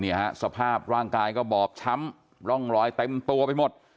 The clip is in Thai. ฮะสภาพร่างกายก็บอบช้ำร่องรอยเต็มตัวไปหมด